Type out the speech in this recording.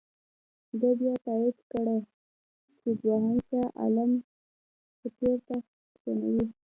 ده بیا تایید کړه چې دوهم شاه عالم به پر تخت کښېنوي.